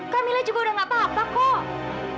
kamila juga udah gak apa apa kok